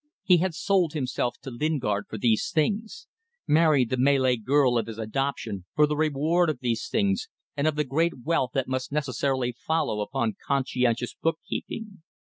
He had sold himself to Lingard for these things married the Malay girl of his adoption for the reward of these things and of the great wealth that must necessarily follow upon conscientious book keeping.